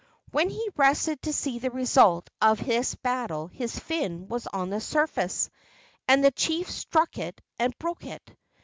When he rested to see the result of this battle his fin was on the surface, and the chief struck it and broke it.